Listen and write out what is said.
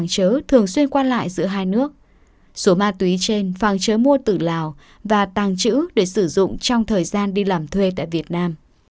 suối ma túy trên phản chứa mua từ lào và tàng chữ để sử dụng trong thời gian đi làm thuê tại việt nam